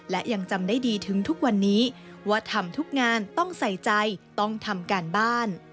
และยังจำได้ดีถึงทุกวันนี้ว่าทำทุกงานต้องใส่ใจต้องทำการบ้าน